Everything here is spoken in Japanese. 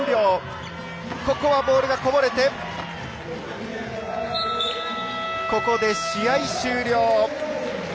ここはボールがこぼれてここで試合終了。